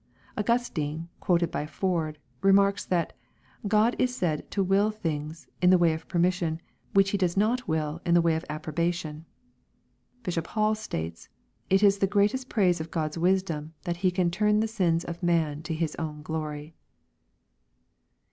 Augustine, quoted by Ford, remarks, that " God is said to will things, in the way of permission, which he does not will in the way of approbation." Bishop Hall says, " It is the greatest praise of GKkI's wisdom that he can turn the sins of man to his own glory."